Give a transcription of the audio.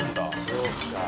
そうか。